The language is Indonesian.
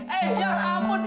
eh eh ya ampun